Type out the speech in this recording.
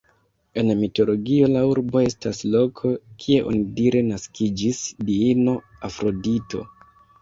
En mitologio la urbo estas loko, kie onidire naskiĝis diino Afrodito.